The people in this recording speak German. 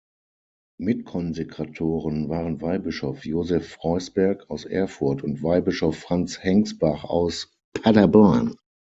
Mitkonsekratoren waren Weihbischof Joseph Freusberg aus Erfurt und Weihbischof Franz Hengsbach aus Paderborn.